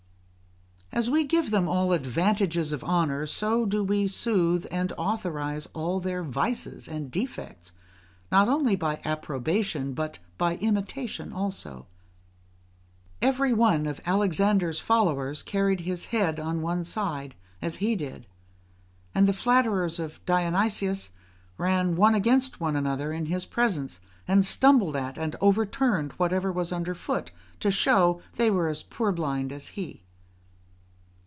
As we give them all advantages of honour, so do we soothe and authorise all their vices and defects, not only by approbation, but by imitation also. Every one of Alexander's followers carried his head on one side, as he did; and the flatterers of Dionysius ran against one another in his presence, and stumbled at and overturned whatever was under foot, to shew they were as purblind as he.